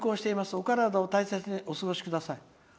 お体を大切にお過ごしください」。